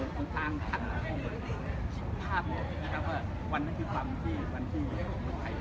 ค่อนข้างกันของพวกที่ภาพว่านั้นคือความที่ผมไว้